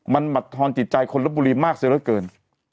มันหมัดธรรมจิตใจคนแล้วบุหรี่มากเธอเลือดเกิน